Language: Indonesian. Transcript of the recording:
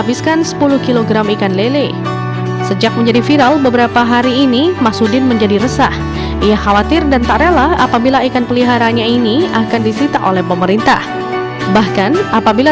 bahkan apabila terjadi keadaan yang berbeda